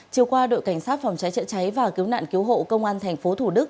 chiều qua đội cảnh sát phòng cháy chữa cháy và cứu nạn cứu hộ công an tp thủ đức